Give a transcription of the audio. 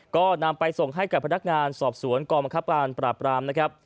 ก็นำไปส่งให้กับพนักงานสอบสวนกองบังคับการปราบรามนะครับ